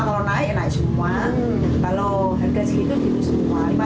kalau naik enak semua